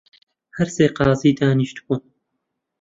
هەر سێ قازی دانیشتبوون